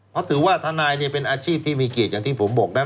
เพราะถือว่าทนายเนี่ยเป็นอาชีพที่มีเกียรติอย่างที่ผมบอกนะ